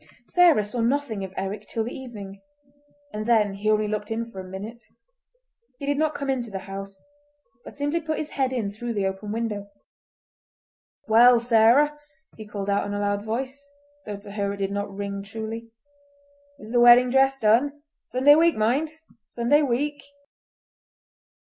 Sarah saw nothing of Eric till the evening, and then he only looked in for a minute. He did not come into the house, but simply put his head in through the open window. "Well, Sarah," he called out in a loud voice, though to her it did not ring truly, "is the wedding dress done? Sunday week, mind! Sunday week!"